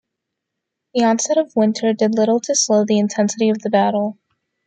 The onset of winter did little to slow the intensity of the battle.